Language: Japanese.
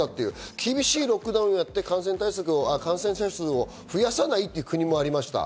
厳しいロックダウンで感染者数を増やさない国もありました。